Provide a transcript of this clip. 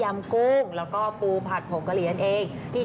อืมรู้ไหมว่าดังมากเลยตอนนี้